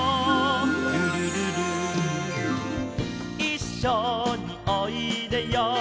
「ルルルル」「いっしょにおいでよ」